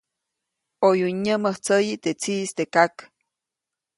ʼOyu nyämäjtsyäyi teʼ tsiʼis teʼ kak.